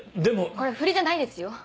これ振りじゃないですよ？